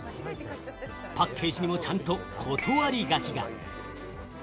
パッケージにもちゃんと断り書きが。